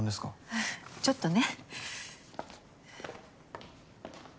うんちょっとね。